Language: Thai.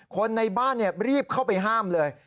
คนในบ้านรีบเข้าไปห้ามเลย